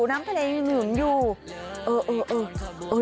น้ำทะเลยังหนูนอยู่เออเออเออเออ